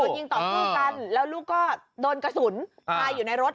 ยิงต่อสู้กันแล้วลูกก็โดนกระสุนตายอยู่ในรถ